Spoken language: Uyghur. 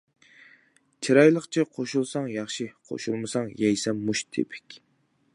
چىرايلىقچە قوشۇلساڭ ياخشى، قوشۇلمىساڭ يەيسەن مۇش تېپىك.